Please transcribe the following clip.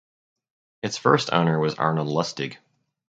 Its first owner was Arnold Lustig.